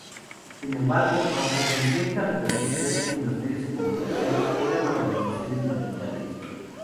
Sin embargo, aunque con cierta repercusión en los medios de comunicación, eran organizaciones minoritarias.